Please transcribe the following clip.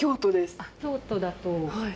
京都だと。